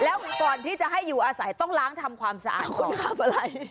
แล้วก่อนที่จะให้อยู่อาศัยต้องล้างทำความสะอาดคนขับอะไร